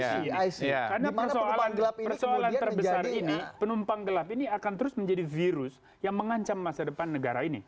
karena persoalan terbesar ini penumpang gelap ini akan terus menjadi virus yang mengancam masa depan negara ini